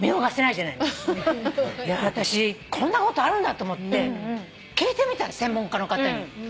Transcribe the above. いや私こんなことあるんだと思って聞いてみたの専門家の方に。